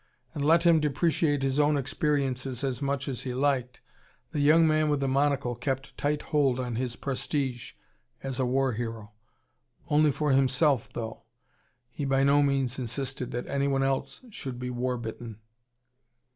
And let him depreciate his own experiences as much as he liked, the young man with the monocle kept tight hold on his prestige as a war hero. Only for himself, though. He by no means insisted that anyone else should be war bitten.